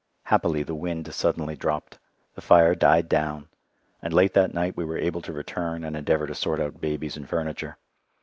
Happily the wind suddenly dropped, the fire died down, and late that night we were able to return and endeavour to sort out babies and furniture.